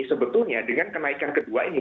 sebetulnya dengan kenaikan kedua ini